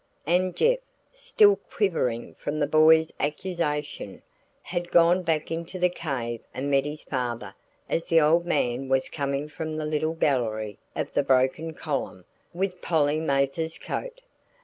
And Jeff, still quivering from the boy's accusation, had gone back into the cave and met his father as the old man was coming from the little gallery of the broken column with Polly Mathers's coat.